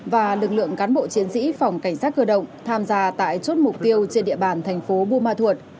và lực lượng cán bộ chiến sĩ phòng cảnh sát cơ động tham gia tại chốt mục tiêu trên địa bàn thành phố